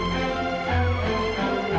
kak kita paling rancu ya